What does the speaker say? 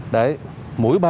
đấy mũi ba